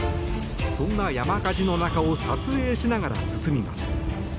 そんな山火事の中を撮影しながら進みます。